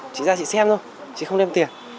chị ra chị xem thôi chị không đem tiền